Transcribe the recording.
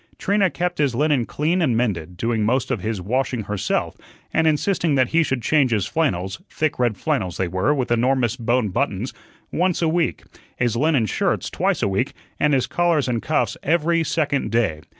Trina kept his linen clean and mended, doing most of his washing herself, and insisting that he should change his flannels thick red flannels they were, with enormous bone buttons once a week, his linen shirts twice a week, and his collars and cuffs every second day.